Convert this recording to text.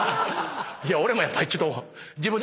俺もやっぱりちょっと。